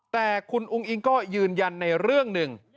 แต่คุณอุ้งอิงก็ยืนยันในเรื่องหนึ่ง